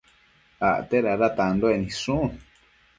Acte dada tanduec nidshu